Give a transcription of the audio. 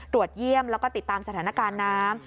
เยี่ยมแล้วก็ติดตามสถานการณ์น้ำ